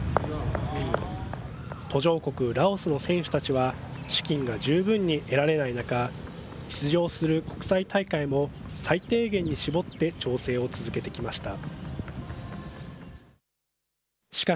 途上国ラオスの選手たちは資金が十分に得られない中、出場する国際大会も最低限に絞って調整を続けてきました。